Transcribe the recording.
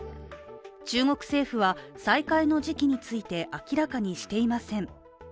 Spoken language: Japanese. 中国政府は再開の時期について明らかにしていません。